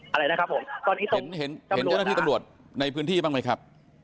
อะไรนะครับผมตอนนี้ผมเห็นเห็นเจ้าหน้าที่ตำรวจในพื้นที่บ้างไหมครับ